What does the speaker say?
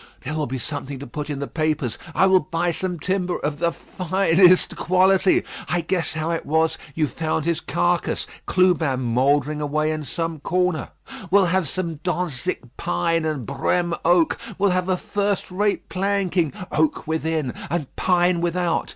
There will be something to put in the papers. I will buy some timber of the finest quality. I guess how it was; you found his carcase; Clubin mouldering away in some corner. We'll have some Dantzic pine and Brême oak; we'll have a first rate planking oak within and pine without.